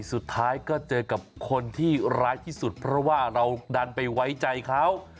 สุดท้ายก็เจอกับคนที่ร้ายที่สุดเพราะว่าเราดันไปไว้ใจเขา